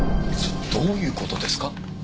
どういう事ですか？